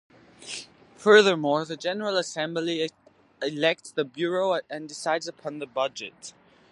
Furthermore, the General Assembly elects the Bureau and decides upon the budget.